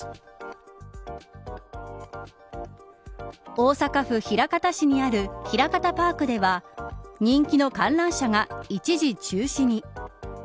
大阪府枚方市にあるひらかたパークでは人気の観覧車が一時中止に。